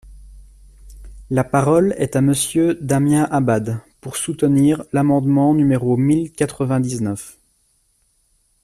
La parole est à Monsieur Damien Abad, pour soutenir l’amendement numéro mille quatre-vingt-dix-neuf.